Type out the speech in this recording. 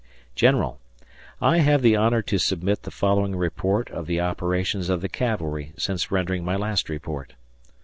General: I have the honor to submit the following report of the operations of the cavalry since rendering my last report.